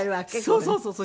そうそうそうそう。